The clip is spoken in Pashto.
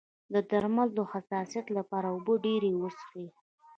د درملو د حساسیت لپاره اوبه ډیرې وڅښئ